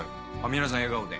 皆さん笑顔で。